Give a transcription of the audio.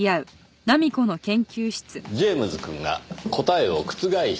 ジェームズくんが答えを覆したとか。